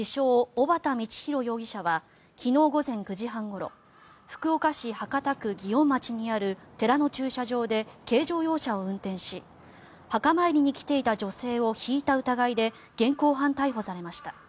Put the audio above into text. ・小畠教弘容疑者は昨日午前９時半ごろ福岡市博多区祇園町にある寺の駐車場で軽乗用車を運転し墓参りに来ていた女性をひいた疑いで現行犯逮捕されました。